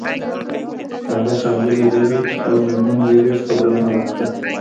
هغه ښاغلي ربیټ او میرمن ربیټ ته بلنه ورکړه